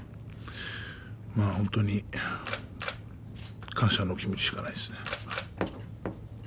まあ本当に感謝の気持ちしかないですね。